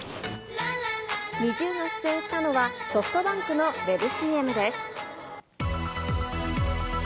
ＮｉｚｉＵが出演したのはソフトバンクのウェブＣＭです。